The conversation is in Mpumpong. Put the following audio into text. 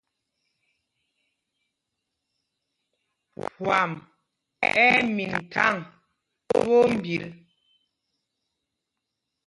Phwam ɛ́ ɛ́ min thaŋ twóó mbil.